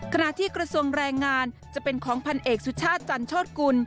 กระทรวงแรงงานจะเป็นของพันเอกสุชาติจันโชธกุล